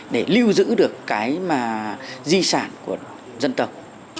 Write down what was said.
để lưu giữ được cái di sản của dân tộc